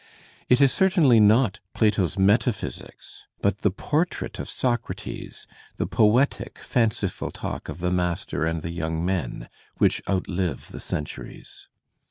It is certainly not Plato's metaphysics, but the portrait of Socrates, the poetic, fanciful talk of the master and the young men, which outlive the centuries.